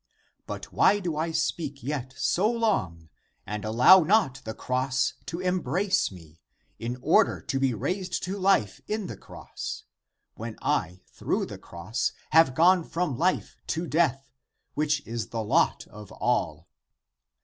But why do I speak yet so long and allow not the cross to embrace me, in order to be raised to life in the cross, when I, through the cross, have gone from life to death, which is the lot of all?